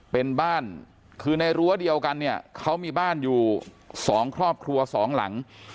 เป็นบ้านคือในรั้วเดียวกันเนี่ยเขามีบ้านอยู่สองครอบครัวสองหลัง